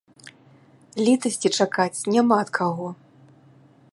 Літасці чакаць няма ад каго.